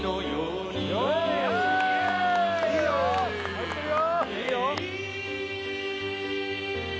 入ってるよ！